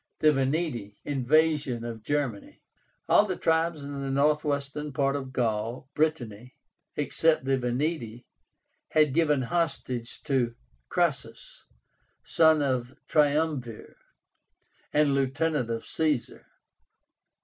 THE VENETI. INVASION OF GERMANY. All the tribes in the northwestern part of Gaul (Brittany) except the VENETI had given hostages to Crassus, son of the Triumvir, and lieutenant of Caesar.